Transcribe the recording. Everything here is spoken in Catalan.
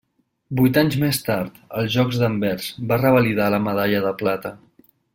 Vuit anys més tard, als Jocs d'Anvers, va revalidar la medalla de plata.